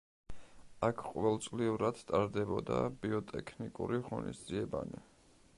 აქ ყოველწლიურად ტარდებოდა ბიოტექნიკური ღონისძიებანი.